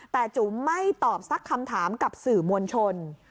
แต่จุ๋มไม่ตอบสักคำถามกับสื่อมวลชน